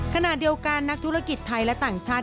ขณะเดียวกันนักธุรกิจไทยและต่างชาติ